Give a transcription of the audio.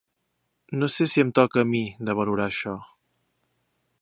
No sé si em toca a mi, de valorar això.